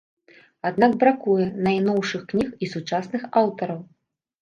Аднак бракуе найноўшых кніг і сучасных аўтараў.